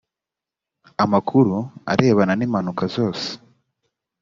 amakuru arebana n impanuka zose